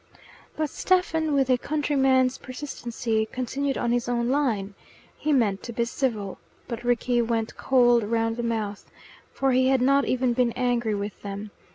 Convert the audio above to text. But Stephen, with a countryman's persistency, continued on his own line. He meant to be civil, but Rickie went cold round the mouth. For he had not even been angry with them.